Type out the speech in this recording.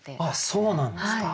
そうなんですか。